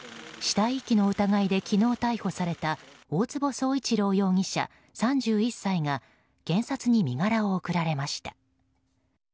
死体遺棄の疑いで昨日、逮捕された大坪宗一郎容疑者、３１歳が検察に身柄を送られました。